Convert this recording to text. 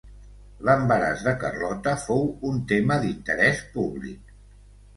L'embaràs de Carlota fou un tema d'interès públic.